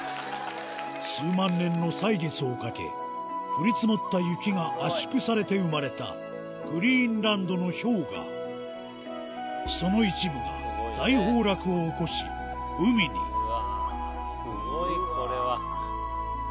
数万年の歳月をかけ降り積もった雪が圧縮されて生まれたグリーンランドの氷河うわぁスゴいこれは。